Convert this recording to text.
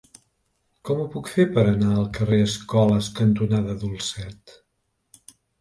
Com ho puc fer per anar al carrer Escoles cantonada Dulcet?